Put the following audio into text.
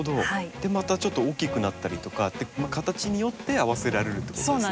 でまたちょっと大きくなったりとか形によって合わせられるということですね。